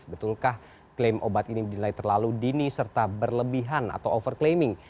betulkah klaim obat ini berdilai terlalu dini serta berlebihan atau over claiming